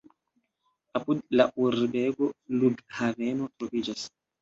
Apud la urbego flughaveno troviĝas.